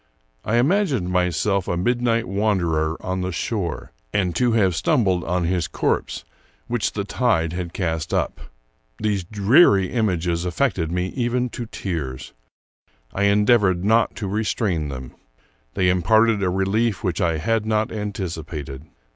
I imagined myself a midnight wanderer on the shore, and to have stumbled on his corpse, which the tide had cast up. These dreary images affected me even to tears. I endeav ored not to restrain them. They imparted a relief which I had not anticipated.